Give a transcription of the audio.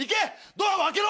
ドアを開けろ！